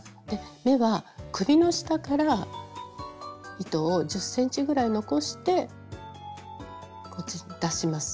目は首の下から糸を１０ｃｍぐらい残してこっちに出します。